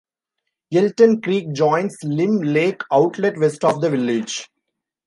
Elton Creek joins Lime Lake Outlet west of the village.